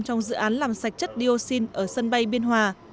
trong dự án làm sạch chất dioxin ở sân bay biên hòa